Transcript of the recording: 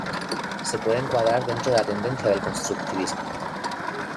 Se puede encuadrar dentro de la tendencia del constructivismo.